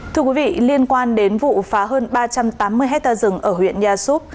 thưa quý vị liên quan đến vụ phá hơn ba trăm tám mươi hectare rừng ở huyện nha xúc